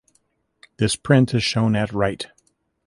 This print is shown at right.